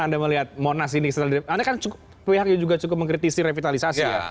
bagaimana anda melihat monas ini selalu ada kan cukup pihaknya juga cukup mengkritisi revitalisasi